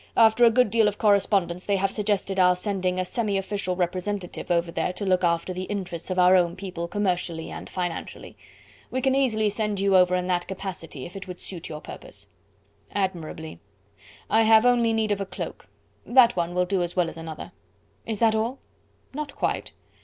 After a good deal of correspondence they have suggested our sending a semi official representative over there to look after the interests of our own people commercially and financially. We can easily send you over in that capacity if it would suit your purpose." "Admirably. I have only need of a cloak. That one will do as well as another." "Is that all?" "Not quite.